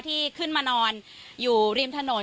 ที่ขึ้นมานอนอยู่ริมถนน